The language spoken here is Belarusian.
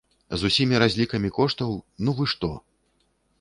З ўсімі разлікамі коштаў, ну вы што!